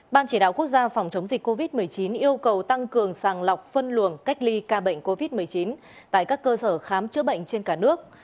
ban chỉ đạo quốc gia phòng chống dịch covid một mươi chín yêu cầu tăng cường sàng lọc phân luồng cách ly ca bệnh covid một mươi chín tại các cơ sở khám chữa bệnh trên cả nước